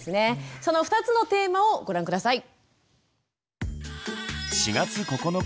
その２つのテーマをご覧下さい。